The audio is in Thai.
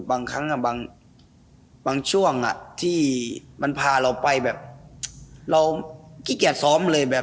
บางช่วงที่มันพาเราไปเรากิเกียจซ้อมเลย